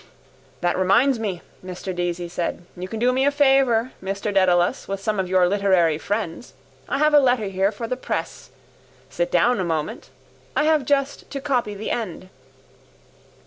—That reminds me, Mr Deasy said. You can do me a favour, Mr Dedalus, with some of your literary friends. I have a letter here for the press. Sit down a moment. I have just to copy the end.